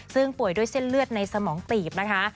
ซึ่งป่วยด้วยเส้นเลือดในสมองตีบนะคะ